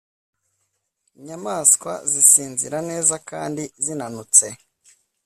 inyamaswa zisinzira neza kandi zinanutse